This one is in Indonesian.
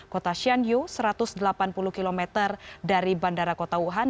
kota shan yu satu ratus delapan puluh km dari bandara kota wuhan